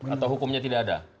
atau hukumnya tidak ada